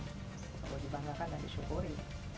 kita boleh dibanggakan dan disyukuri